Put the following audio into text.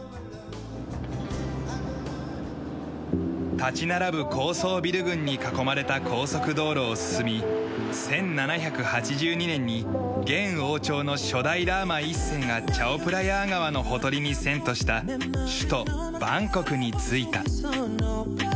立ち並ぶ高層ビル群に囲まれた高速道路を進み１７８２年に現王朝の初代ラーマ１世がチャオプラヤー川のほとりに遷都した首都バンコクに着いた。